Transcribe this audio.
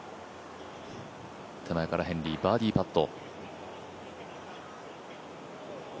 手前からヘンリー、バーディーパット。